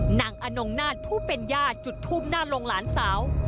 หนังอนงนาดผู้เป็นญาติจุดทุ่มหน้าโรงหลานสาว